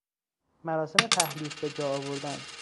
مراسم تحلیف بجاآوردن